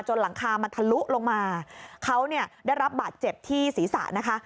หลังคามันทะลุลงมาเขาเนี่ยได้รับบาดเจ็บที่ศีรษะนะคะ